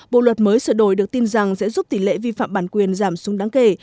bộ luật mới sửa đổi được tin rằng sẽ giúp tỷ lệ vi phạm bản quyền giảm xuống đáng kể